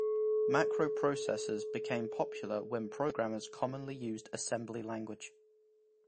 Macro processors became popular when programmers commonly used assembly language.